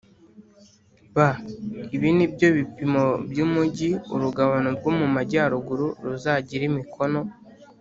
b Ibi ni byo bipimo by umugi urugabano rwo mu majyaruguru ruzagire imikono